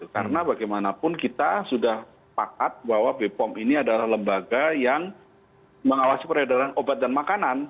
karena bagaimanapun kita sudah pakat bahwa bepom ini adalah lembaga yang mengawasi peredaran obat dan makanan